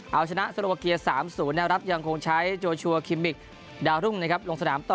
เอาชนะโซโลวาเกียส๓๐แล้วรับยังคงใช้โจชัวร์คิมมิคดาวรุ่งลงสนามต่อ